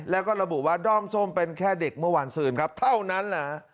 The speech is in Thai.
แล้วก็ระบุว่าด้อมส้มเป็นแค่เด็กเมื่อวานซืนครับเท่านั้นแหละ